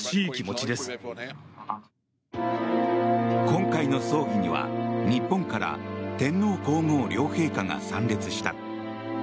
今回の葬儀には日本から天皇・皇后両陛下が参列した。